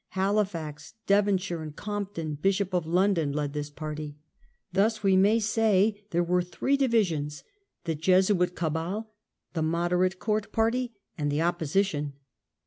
Halifax, Devon shire, and Compton, Bishop of London led this party. Thus we may say there were three divisions — the Jesuit cabal, the moderate Court party, and the opposition.